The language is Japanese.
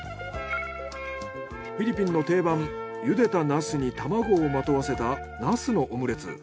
フィリピンの定番茹でたナスに卵をまとわせたナスのオムレツ。